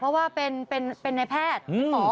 เพราะว่าเป็นในแพทย์หมอ